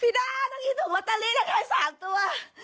พี่ดาน้องอิ่มถูกบัตเตอรี่ได้๓ตัว